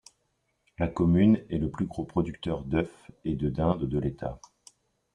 La commune est le plus gros producteur d'œufs et de dindes de l'État.